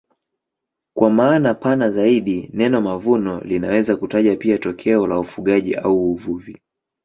Kwa maana pana zaidi neno mavuno linaweza kutaja pia tokeo la ufugaji au uvuvi.